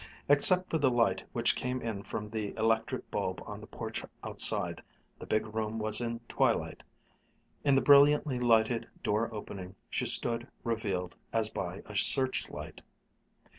Except for the light which came in from the electric bulb on the porch outside, the big room was in twilight. In the brilliantly lighted door opening, she stood revealed as by a searchlight.